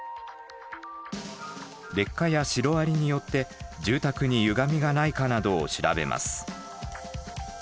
劣化やシロアリによって住宅にゆがみがないかなどを調べます。